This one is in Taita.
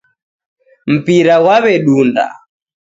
Mpira ghwaw'edunda.